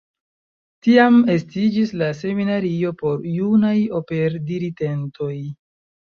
Tiam estiĝis la seminario por junaj operdiritentoj.